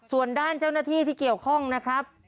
ส่วนด้านเจ้าหน้าที่ที่เกี่ยวข้องนะครับ